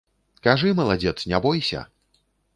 Кажы, маладзец, не бойся!